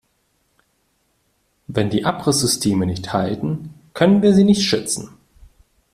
Wenn die Abrisssysteme nicht halten, können wir sie nicht schützen.